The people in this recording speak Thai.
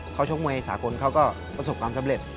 เขาชกมวยสากลเขาก็ประสบความสำเร็จ